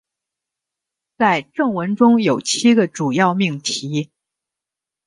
在正文中有七个主要命题。